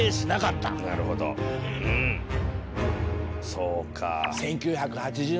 そうか。